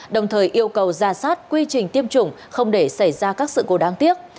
đồng thời yêu cầu ra soát quy trình tiêm chủng không để xảy ra các sự cố đáng tiếc